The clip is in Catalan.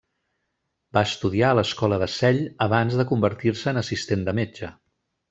Va estudiar a l'escola de Celle abans de convertir-se en assistent de metge.